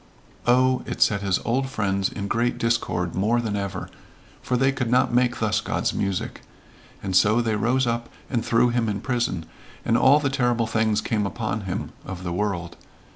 Oh, it set his old friends in great discord more than ever for they could not make thus God's music. And so they rose up and threw him in prison, and all the terrible things came upon him of the world.